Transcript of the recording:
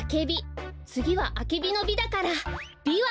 つぎはアケビの「ビ」だからビワ！